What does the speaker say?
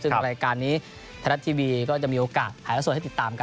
ซึ่งกลายการนี้แผนรัฐทีวีก็จะมีโอกาสทั้งส่วนให้ติดตามกัน